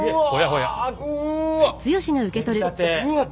うわっ。